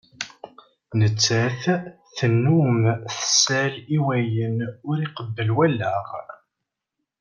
Nettat tennum tessal i wayen ur iqebbel wallaɣ.